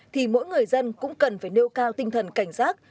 thì mỗi người dân cũng cần phải nêu cao tinh thần cảnh giác